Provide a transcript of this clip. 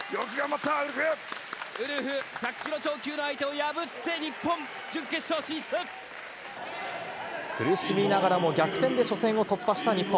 ウルフ、１００キロ超級の相苦しみながらも逆転で初戦を突破した日本。